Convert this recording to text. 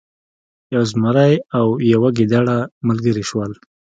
یو زمری او یو ګیدړه ملګري شول.